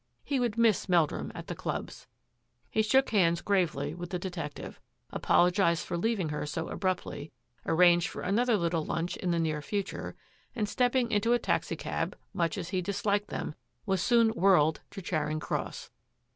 He would miss Meldrum at the clubs. He shook hands gravely with the detective, apologised for leaving her so abruptly, arranged for another little lunch in the near future, and stepping into a taxicab, much as he disliked them, was soon whirled to Charing Cross.